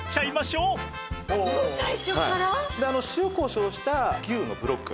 塩こしょうした牛のブロック